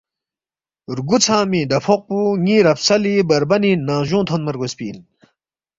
رگُو ژھنگمی ڈفوق پو ن٘ی رفسلی بربنی ننگجونگ تھونما رگوسپی اِن